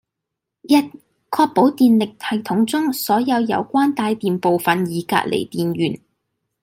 （一）確保電力系統中所有有關帶電部分已隔離電源